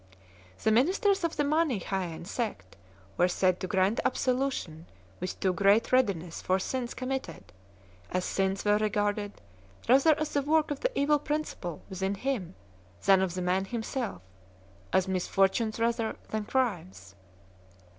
The ministers of the Mani chsean sect were said to grant absolution with too great readiness for jsins committed, as sins were regarded rather as the work of the evil principle within him than of the man himself; as misfortunes rather than crimes.